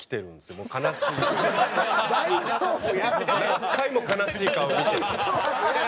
何回も悲しい顔を見てるから。